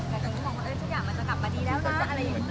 แต่ตอนนี้มองว่าเอ้ยทุกอย่างมันจะกลับมาดีแล้วนะ